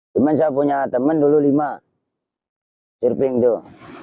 cuma saya punya teman dulu lima surfing tuh